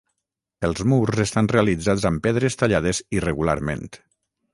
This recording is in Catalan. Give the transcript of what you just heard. Els murs estan realitzats amb pedres tallades irregularment.